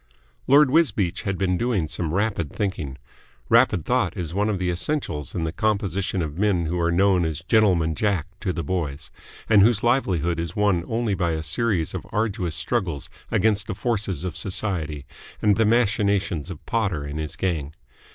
Lord Wisbeach had been doing some rapid thinking. Rapid thought is one of the essentials in the composition of men who are known as Gentleman Jack to the boys and whose livelihood is won only by a series of arduous struggles against the forces of Society and the machinations of Potter and his gang.